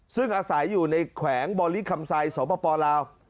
ซึ่งอาศัยอยู่ในแขวงบอลิคำไซสปลาว